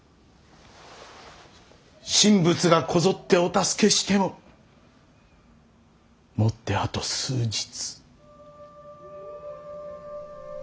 神仏がこぞってお助けしてももってあと数日。